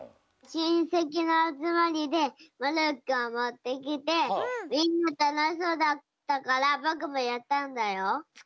しんせきのあつまりでモルックをもってきてみんなたのしそうだったからぼくもやったんだよ。